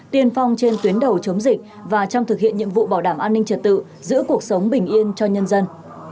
tiên phong trên tuyến đầu chống dịch và trong thực hiện nhiệm vụ bảo đảm an ninh trật tự giữ cuộc sống bình yên cho nhân dân